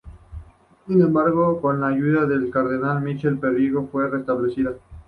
Sin embargo, con la ayuda del cardenal Michele Pellegrino, fue restablecida.